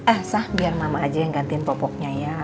ah sah biar mama aja yang gantiin popoknya ya